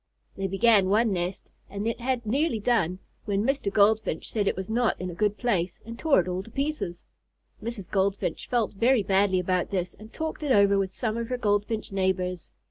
They began one nest and had it nearly done, when Mr. Goldfinch said it was not in a good place, and tore it all to pieces. Mrs. Goldfinch felt very badly about this and talked it over with some of her Goldfinch neighbors.